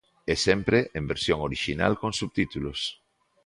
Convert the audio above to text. E sempre en versión orixinal con subtítulos.